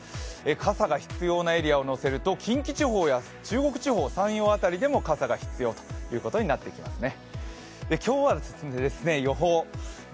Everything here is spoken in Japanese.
傘が必要なエリアを載せると近畿地方や中国地方、山陰辺りでも傘が必要ということになってきそうですね。